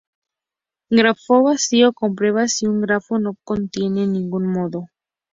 Grafo Vacío: Comprueba si un grafo no tiene ningún nodo.